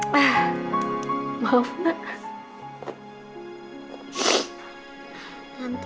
tante itu inget terus sama anak tante